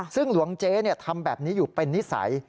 ซึ่งหลวงเจ๊ทำแบบนี้อยู่เป็นนิสัย